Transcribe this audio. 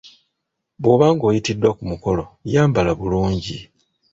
Bw’obanga oyitiddwa ku mukolo yambala bulungi.